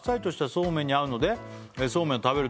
「そうめんに合うのでそうめんを食べるときは」